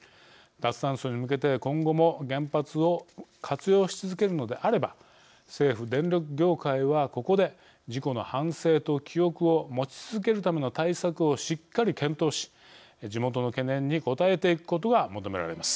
脱炭素に向けて、今後も原発を活用し続けるのであれば政府・電力業界はここで事故の反省と記憶を持ち続けるための対策をしっかり検討し地元の懸念に応えていくことが求められます。